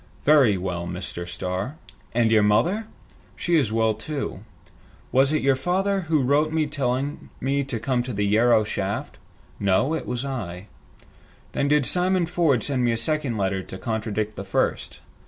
"Very well, Mr. Starr." "And your mother?" "She is well, too." "Was it your father who wrote telling me to come to the Yarrow shaft?" "No, it was I." "Then did Simon Ford send me a second letter to contradict the first?"